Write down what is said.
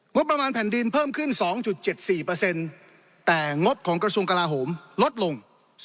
งบประมาณแผ่นดินเพิ่มขึ้น๒๗๔แต่งบของกระทรวงกลาโหมลดลง